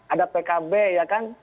ada pkb ya kan